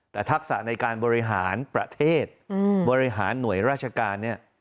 แต่ทักษะในการบริหารประเทศบริหารหน่วยราชการเนี่ย